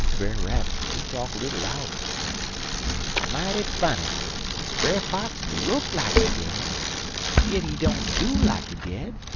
Den Brer Rabbit he talk little louder: "'Mighty funny. Brer Fox look like he dead, yit he don't do like he dead.